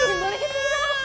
jangan balik jangan balik